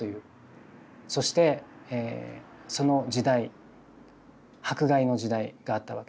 そしてその時代迫害の時代があったわけです。